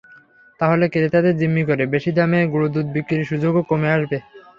তাহলে ক্রেতাদের জিম্মি করে বেশি দামে গুঁড়া দুধ বিক্রির সুযোগও কমে আসবে।